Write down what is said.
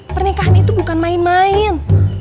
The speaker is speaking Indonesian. pernikahan itu bukan main main